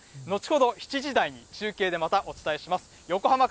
後ほど７時台に中継でまたお伝えします。